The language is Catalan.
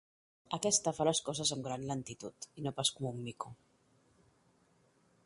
Aquesta fa les coses amb gran lentitud, i no pas com un mico.